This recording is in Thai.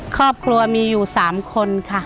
ครอบครัวมีอยู่๓คนค่ะ